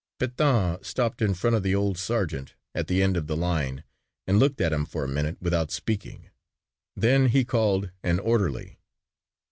Pétain stopped in front of the old sergeant at the end of the line and looked at him for a minute without speaking. Then he called an orderly.